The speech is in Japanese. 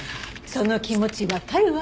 その気持ちわかるわ。